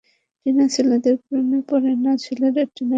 টিনা ছেলেদের প্রেমে পড়ে না, ছেলেরা টিনার প্রেমে পড়ে।